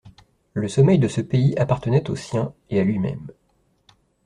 Le sommeil de ce pays appartenait aux siens et à lui-même.